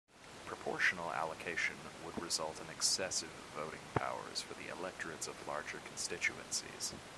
Proportional allocation would result in excessive voting powers for the electorates of larger constituencies.